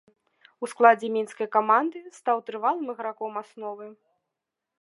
У складзе мінскай каманды стаў трывалым іграком асновы.